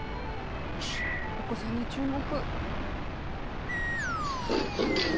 お子さんに注目。